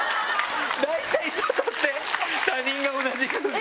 大体外って他人が同じ空間に。